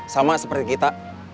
sama seperti kita